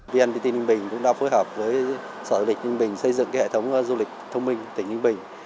vnpt ninh bình cũng đã phối hợp với sở du lịch ninh bình xây dựng hệ thống du lịch thông minh tỉnh ninh bình